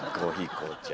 紅茶。